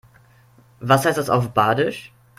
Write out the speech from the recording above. Was heißt das auf Badisch?